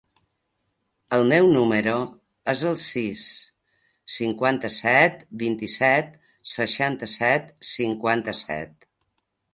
El meu número es el sis, cinquanta-set, vint-i-set, seixanta-set, cinquanta-set.